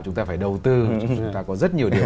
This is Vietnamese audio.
chúng ta phải đầu tư chúng ta có rất nhiều điều